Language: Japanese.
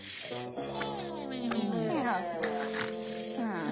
うん。